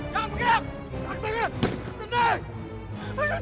saya keseluruhan amin amin